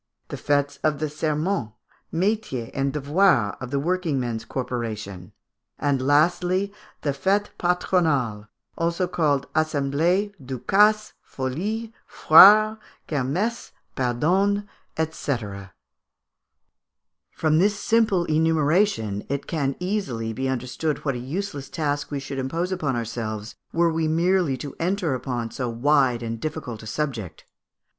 the fêtes of the Serments, Métiers, and Devoirs of the working men's corporation; and lastly, the Fêtes Patronales, called also Assemblées, Ducasses, Folies, Foires, Kermesses, Pardons, &c. From this simple enumeration, it can easily be understood what a useless task we should impose upon ourselves were we merely to enter upon so wide and difficult a subject.